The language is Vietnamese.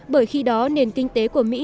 bởi khi đó nền kinh tế của mỹ